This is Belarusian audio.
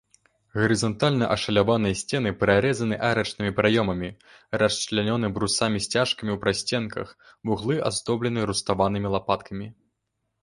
Гарызантальна ашаляваныя сцены прарэзаны арачнымі праёмамі, расчлянёны брусамі-сцяжкамі ў прасценках, вуглы аздоблены руставанымі лапаткамі.